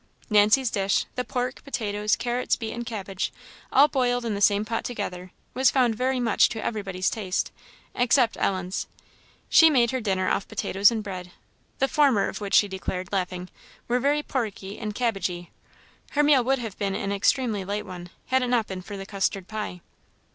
Nancy's dish the pork, potatoes, carrots, beets, and cabbage, all boiled in the same pot together was found very much to everybody's taste, except Ellen's. She made her dinner off potatoes and bread, the former of which she declared, laughing, were very porky and cabbagy; her meal would have been an extremely light one, had it not been for the custard pie.